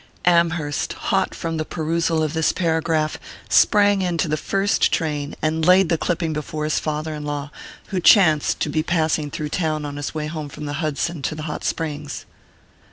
Amherst, hot from the perusal of this paragraph, sprang into the first train, and laid the clipping before his father in law, who chanced to be passing through town on his way from the Hudson to the Hot Springs.